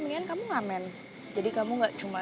mendingan kamu ngamen jadi kamu gak cuma